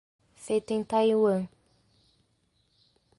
Feito em Taiwan.